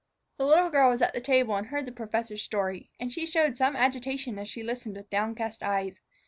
The little girl was at the table and heard the professor's story; and she showed some agitation as she listened with downcast eyes.